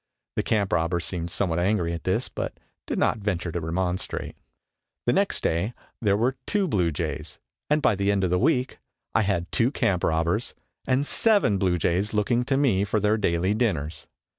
The camp robbers seemed somewhat angry at this, but did not venture to remonstrate. The next day there were two bluejays and by the end of a week I had two camp robbers and seven bluejays looking to me for their daily dinners.